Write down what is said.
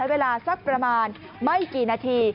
เวลาสักประมาณไม่กี่นาที